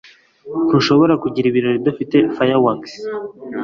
Ntushobora kugira ibirori udafite fireworks.